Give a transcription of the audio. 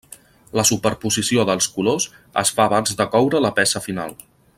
La superposició dels colors es fa abans de coure la peça final.